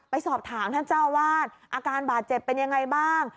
ไปสอบถามท่านเจ้าอาวาสอาการบาดเจ็บเป็นยังไงบ้าง